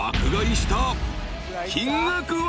金額は。